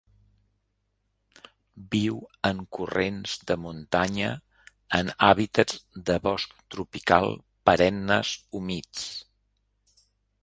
Viu en corrents de muntanya en hàbitats de bosc tropical perennes humits.